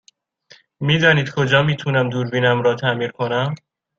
می دانید کجا می تونم دوربینم را تعمیر کنم؟